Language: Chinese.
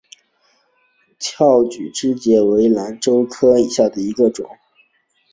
翘距根节兰为兰科节兰属下的一个种。